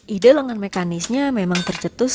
ide lengan mekanisnya memang tercetus